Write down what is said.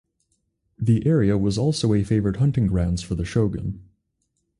The area was also a favored hunting grounds for the Shogun.